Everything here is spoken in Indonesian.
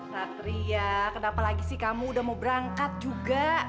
satria kenapa lagi sih kamu udah mau berangkat juga